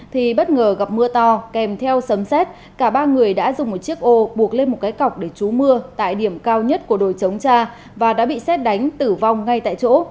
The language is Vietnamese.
thì bất ngờ gặp mưa to kèm theo sấm xét cả ba người đã dùng một chiếc ô buộc lên một cái cọc để trú mưa tại điểm cao nhất của đồi chống cha và đã bị xét đánh tử vong ngay tại chỗ